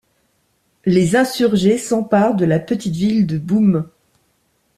Les insurgés s'emparent de la petite ville de Boom.